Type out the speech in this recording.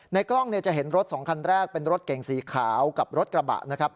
กล้องจะเห็นรถสองคันแรกเป็นรถเก่งสีขาวกับรถกระบะนะครับ